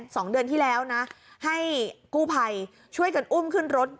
สองเดือนที่แล้วนะให้กู้ภัยช่วยกันอุ้มขึ้นรถ